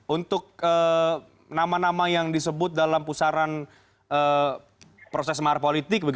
untuk nama nama yang disebut dalam pusaran proses mahar politik